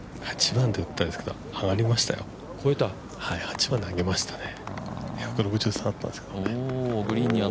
８番であげましたね